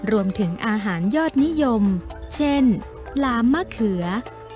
รวมถึงอาหารยอดนิยมเช่นหลามมะเขือ